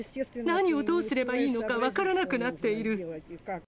何をどうすればいいのか分からなくなっている。